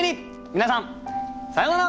皆さんさようなら！